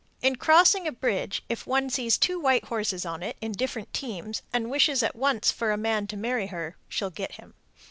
In crossing a bridge, if one sees two white horses on it (in different teams) and wishes at once for a man to marry her, she'll get him.